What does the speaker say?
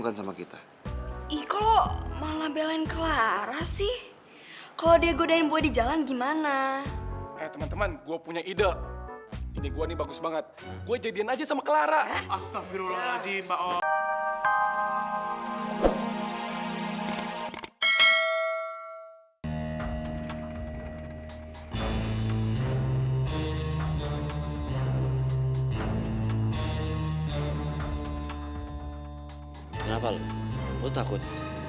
kenapa lu lu takut